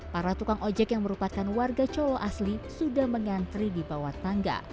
para tukang ojek yang merupakan warga colo asli sudah mengantri di bawah tangga